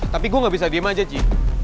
tapi gue gak bisa diem aja ci